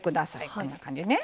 こんな感じね。